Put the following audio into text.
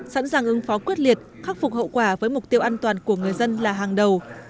sẵn sàng ứng phó quyết liệt khắc phục hậu quả với mục tiêu an toàn của người dân là hàng đầu